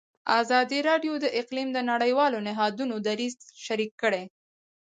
ازادي راډیو د اقلیم د نړیوالو نهادونو دریځ شریک کړی.